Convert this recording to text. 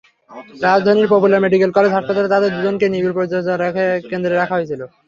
রাজধানীর popular medical college হাসপাতালে তাদের দুজনকেই নিবিড় পরিচর্যা কেন্দ্রে রাখা হয়েছিল।